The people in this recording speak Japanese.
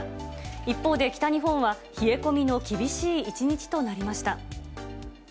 一方で北日本は冷え込みの厳しい一日となりました。